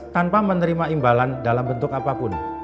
tanpa menerima imbalan dalam bentuk apapun